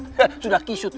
heh sudah kisut